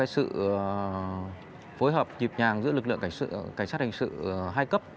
sự phối hợp nhịp nhàng giữa lực lượng cảnh sát hình sự hai cấp